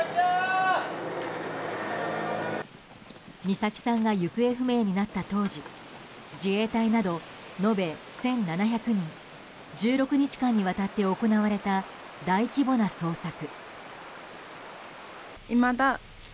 美咲さんが行方不明になった当時自衛隊など、延べ１７００人１６日間にわたって行われた大規模な捜索。